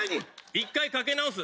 １回かけ直す。